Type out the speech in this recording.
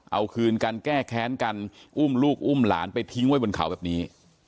เอาคืนกันแก้แค้นกันอุ้มลูกอุ้มหลานไปทิ้งไว้บนเขาแบบนี้